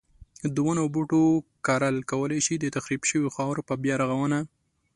د ونو او بوټو کرل کولای شي د تخریب شوی خاورې په بیا رغونه.